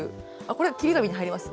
これ切り紙に入ります？